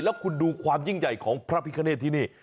แล้วคุณดูความยิ่งใหญ่ของพระพิคเนตที่นี่